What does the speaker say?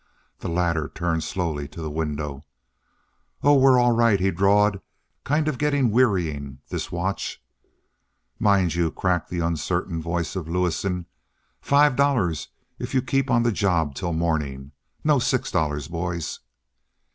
The latter turned slowly to the window. "Oh, we're all right," he drawled. "Kind of getting wearying, this watch." "Mind you," crackled the uncertain voice of Lewison, "five dollars if you keep on the job till morning. No, six dollars, boys!"